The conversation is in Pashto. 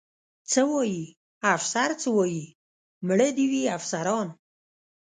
څه وایي؟ افسر څه وایي؟ مړه دې وي افسران.